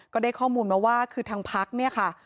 ก็ได้ข้อมูลมาว่าคือทางพักเนี่ยค่ะ